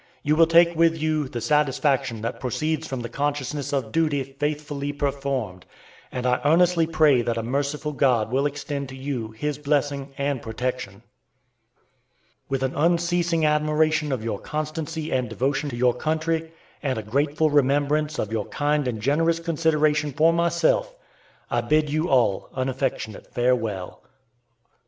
You will take with you the satisfaction that proceeds from the consciousness of duty faithfully performed, and I earnestly pray that a merciful God will extend to you his blessing and protection. With an unceasing admiration of your constancy and devotion to your country, and a grateful remembrance of your kind and generous consideration for myself, I bid you all an affectionate farewell.